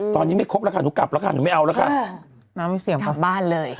ตอนนี้ไม่ครบแล้วค่ะหนูกลับแล้วค่ะหนูไม่เอาแล้วค่ะน้ำเสียงกลับบ้านเลย